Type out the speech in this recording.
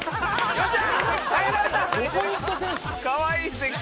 よっしゃ！